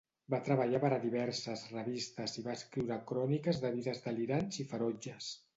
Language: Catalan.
Va treballar per a diverses revistes i va escriure cròniques de vides delirants i ferotges.